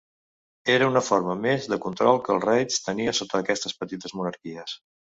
Era una forma més de control que el Reich tenia sota aquestes petites monarquies.